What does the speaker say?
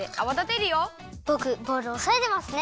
ぼくボウルをおさえてますね。